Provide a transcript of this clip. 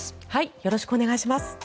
よろしくお願いします。